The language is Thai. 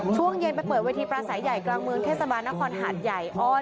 ช่วงเย็นไปเปิดเวทีปลาสายใหญ่กลางเมืองเทศบาลนครหาดใหญ่อ้อน